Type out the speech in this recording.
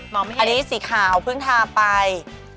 มองไม่เห็นอันนี้สีขาวเพิ่งทาไป